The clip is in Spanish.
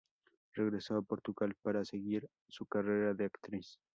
Regresó a Portugal para seguir su carrera de actriz.